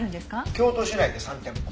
京都市内で３店舗。